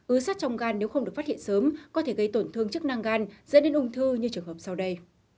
ứ sát trong gan nếu không được phát hiện sớm có thể gây tổn thương chức năng gan dẫn đến ung thư như trường hợp sau đây